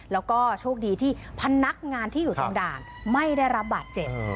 แล้วก็โชคดีที่พนักงานที่อยู่ตรงด่านไม่ได้รับบาดเจ็บ